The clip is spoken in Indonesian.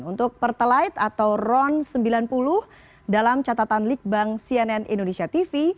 untuk pertalite atau ron sembilan puluh dalam catatan likbang cnn indonesia tv